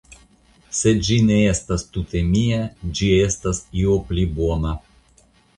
Se ĝi ne estas tute mia ĝi estas io pli bona.